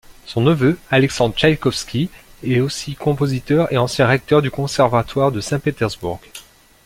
Son neveu, Alexandre Tchaïkovski, est aussi compositeur et ancien recteur du Conservatoire de Saint-Pétersbourg.